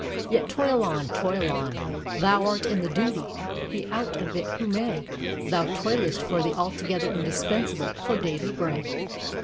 Yet toil on, toil on: thou art in thy duty, be out of it who may; thou toilest for the altogether indispensable, for daily bread.